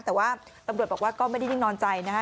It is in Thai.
แต่ว่าตำรวจบอกว่าก็ไม่ได้นิ่งนอนใจนะคะ